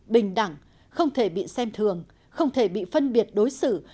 bình đẳng không thể bị xem thường không thể bị phân biệt đối xử